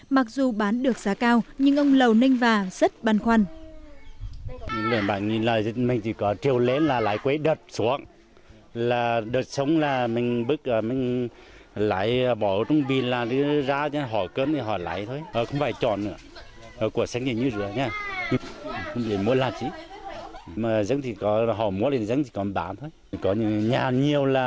mặc dù bán được giá cao nhưng ông lầu nênh và rất băn khoăn